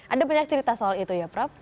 ada banyak cerita soal itu ya prap